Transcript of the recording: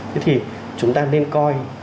thế thì chúng ta nên coi